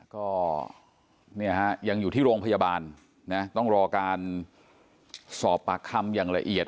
ก็เนี่ยฮะยังอยู่ที่โรงพยาบาลนะต้องรอการสอบปากคำอย่างละเอียด